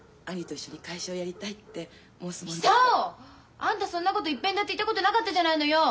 あんたそんなこといっぺんだって言ったことなかったじゃないのよ！